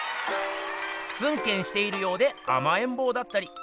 ツンケンしているようであまえんぼうだったり。